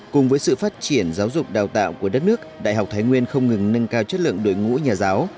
cùng với sự phát triển giáo dục đào tạo của đất nước đại học thái nguyên không ngừng nâng cao chất lượng đội ngũ nhà giáo